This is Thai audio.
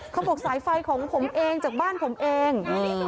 เขาบอกสายไฟของผมเองจากบ้านผมเอง